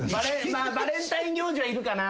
バレンタイン行事はいるかな。